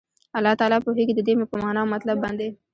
الله تعالی پوهيږي ددي په معنا او مطلب باندي